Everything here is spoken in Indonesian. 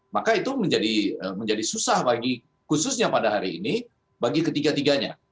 maka itu menjadi susah bagi khususnya pada hari ini bagi ketiga tiganya